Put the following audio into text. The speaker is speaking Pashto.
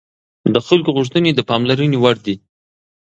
د خلکو غوښتنې د پاملرنې وړ دي